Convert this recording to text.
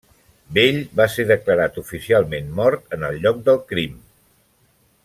Bell va ser declarat oficialment mort en el lloc del crim.